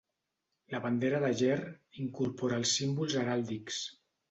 La bandera de Ger incorpora els símbols heràldics.